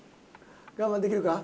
我慢できるか？